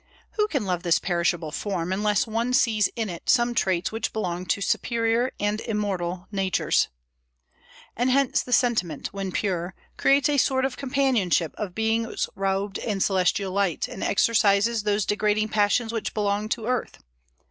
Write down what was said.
Who can love this perishable form, unless one sees in it some traits which belong to superior and immortal natures? And hence the sentiment, when pure, creates a sort of companionship of beings robed in celestial light, and exorcises those degrading passions which belong to earth.